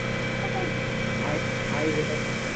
Fue su última aparición pública.